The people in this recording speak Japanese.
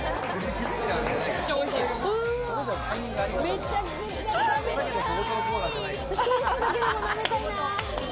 めちゃくちゃ食べたい！